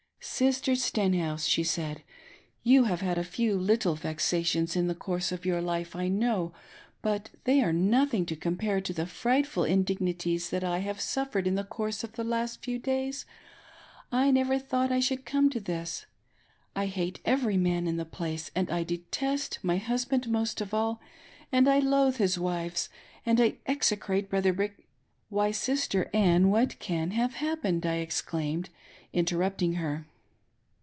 " Sister Stenhouse," she said, " you have had a few little vexations in the course of your life, I know, but they are nothing to compare to the frightful indignities that I have suffered in the course of the last few days. I never thought I should come to this ! I hate eVery man in the place, and I detest my husband most of all, and I loathe his wives, and I execrate Brother Brig —"" Why, Sister Ann, what can have happened .'" I exclaimed, interrupting her.